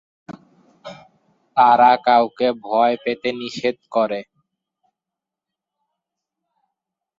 তারা কাউকে ভয় পেতে নিষেধ করে।